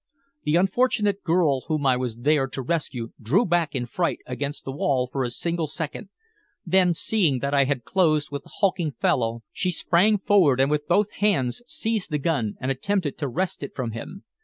The unfortunate girl whom I was there to rescue drew back in fright against the wall for a single second, then, seeing that I had closed with the hulking fellow, she sprang forward, and with both hands seized the gun and attempted to wrest it from him.